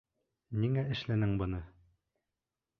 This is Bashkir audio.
Ниңә эшләнең быны?